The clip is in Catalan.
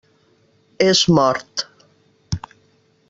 És mort.